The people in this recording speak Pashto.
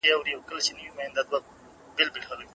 انا خپل ځان رېږدېدلی احساس کړ.